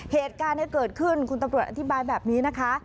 เหตุการณ์เกิดขึ้นคุณตำรวจอธิบายแบบนี้นะคะ